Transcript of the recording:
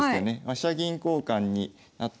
飛車銀交換になって。